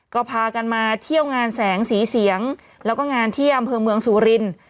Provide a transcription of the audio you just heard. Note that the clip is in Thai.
ก็พากันมาเที่ยวงานแสงสีเสียงแล้วก็งานที่อำเภอเมืองสุรินทร์